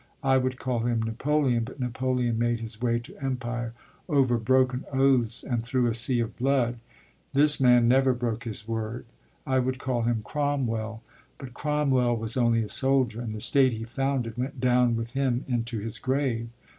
I would call him Napoleon, but Napoleon made his way to empire over broken oaths and through a sea of blood. This man never broke his word. I would call him Cromwell, but Cromwell was only a soldier, and the state he founded went down with him into his grave.